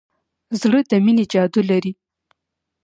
زړه د مینې جادو لري.